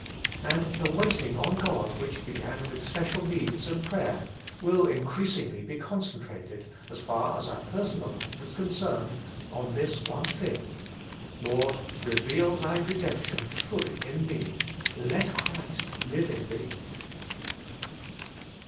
And the waiting on God, which began with special needs and prayer, will increasingly be concentrated, as far as oui personal life is eoncemed, on this one thing, Lord, reveal Thy redemption fully in me ; let Christ live in me.